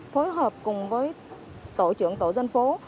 phối hợp cùng với tổ trưởng tổ dân phố